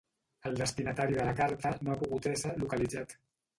El destinatari de la carta no ha pogut ésser localitzat.